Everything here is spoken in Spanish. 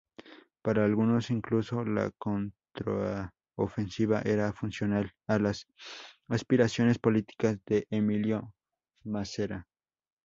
Para algunos, incluso, la contraofensiva era funcional a las aspiraciones políticas de Emilio Massera.